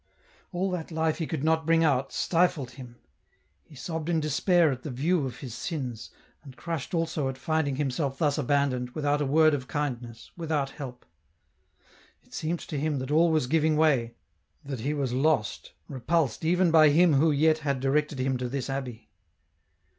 All that life he could not bring out, stifled him ; he sobbed in despair at the view of his sins, and crushed also at finding himself thus abandoned, without a word of kindness, without help. It seemed to him that all was giving way, that he was lost, repulsed even by Him who yet had directed him to this abbey.